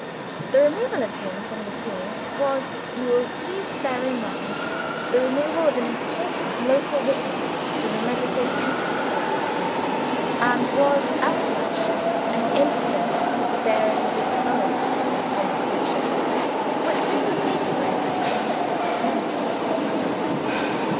The removal of him from the scene was, you will please to bear in mind, the removal of an important local witness to the medical treatment of Oscar, and was, as such, an incident with a bearing of its own on the future, which claims a place for it in the present narrative.